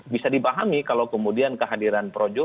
bisa dipahami kalau kemudian kehadiran projo